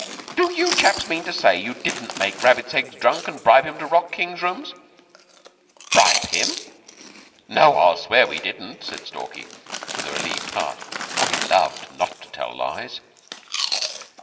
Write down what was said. "Do you chaps mean to say you didn't make Rabbits Eggs drunk and bribe him to rock King's rooms?" "Bribe him? No, that I'll swear we didn't," said Stalky, with a relieved heart, for he loved not to tell lies.